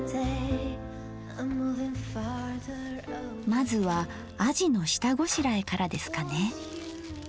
まずはあじの下ごしらえからですかね。